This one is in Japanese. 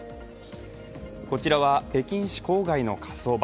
こちらは北京市郊外の火葬場。